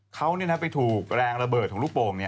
เขาไปถูกแรงระเบิดของลูกโป่ง